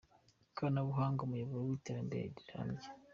Ikoranabuhanga, umuyoboro w’iterambere rirambye